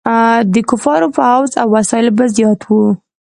د کفارو فوځ او وسایل به زیات وو.